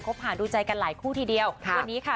เขาผ่านดูใจกันหลายคู่ทีเดียวครับวันนี้ค่ะ